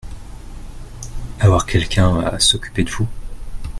Avoir quelqu’un à s’occuper de vous.